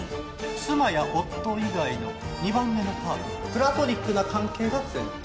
妻や夫以外の２番目のパートナープラトニックな関係が前提。